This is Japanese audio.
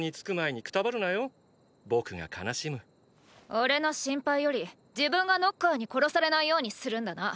おれの心配より自分がノッカーに殺されないようにするんだな！